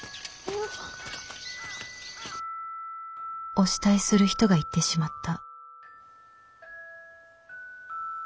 「お慕いする人が逝ってしまった」。